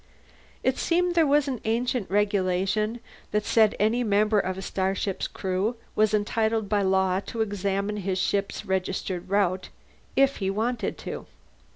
It seemed there was an ancient regulation that said any member of a starship's crew was entitled by law to examine his ship's registered route, if he wanted to.